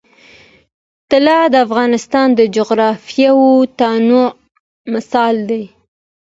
طلا د افغانستان د جغرافیوي تنوع مثال دی.